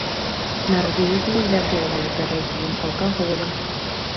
Нарвегія вядомая дарагім алкаголем.